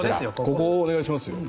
ここお願いしますよ。